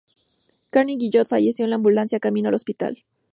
Guyard-Guillot falleció en la ambulancia camino al hospital.